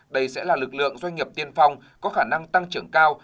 đây sẽ là lực lượng doanh nghiệp tiên phong có khả năng tăng trưởng cao